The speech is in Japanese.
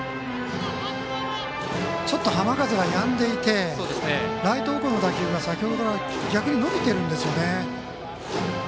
ちょっと浜風が止んでいてライト方向の打球が先ほどから逆に伸びているんですよね。